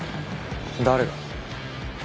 誰が？